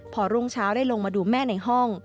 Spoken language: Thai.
พอรุ่งเช้าได้ลงมาดูแม่ในห้อง